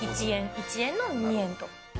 １円、１円の２円と。